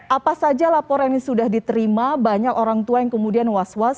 apa saja laporan yang sudah diterima banyak orang tua yang kemudian was was